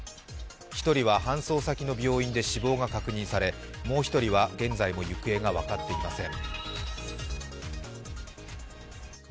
１人は搬送先の病院で死亡が確認され、もう一人は現在も行方が分かっていません。